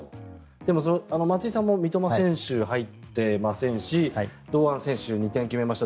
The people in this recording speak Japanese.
でも松井さんも三笘選手が入っていませんし２点決めました